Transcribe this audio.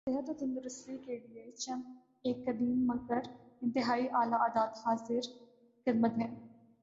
صحت و تندرستی کیلئے چند ایک قدیم مگر انتہائی اعلی عادات حاضر خدمت ہیں